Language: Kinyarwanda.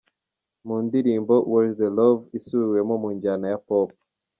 Mu ndirimbo “Where is the Love?” isubiwemo mu njyana ya Pop.